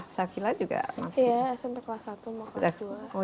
smp kelas satu mau kelas dua